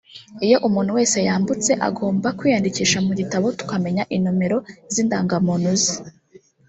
“Iyo umuntu wese yambutse agomba kwiyandikisha mu gitabo tukamenya inomero z’indangamuntu ze